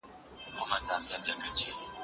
دا ټولي کلمي په مانا کي سره نژدي دي.